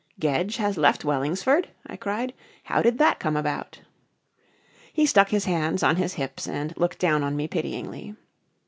"Gedge has left Wellingsford?" I cried. "How did that come about?" He stuck his hands on his hips and looked down on me pityingly.